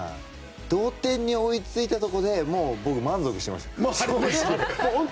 同点に追いついたところで僕、満足してました。